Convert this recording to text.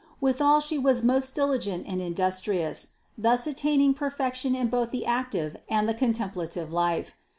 Withal she was most diligent and industrious, thus attaining perfection in both the active and the contemplative life.